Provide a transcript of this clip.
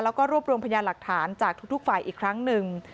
แล้วก็รวบรวมพยานหลักฐานจากทุกฝ่ายอีกครั้งหนึ่ง